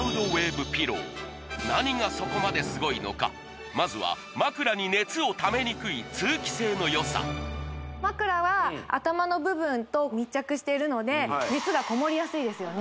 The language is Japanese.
何がそこまですごいのかまずは通気性のよさ枕は頭の部分と密着しているので熱がこもりやすいですよね